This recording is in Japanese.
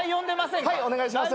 はいお願いします。